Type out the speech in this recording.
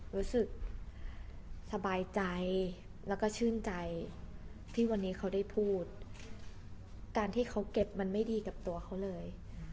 รู้สึกสบายใจแล้วก็ชื่นใจที่วันนี้เขาได้พูดการที่เขาเก็บมันไม่ดีกับตัวเขาเลย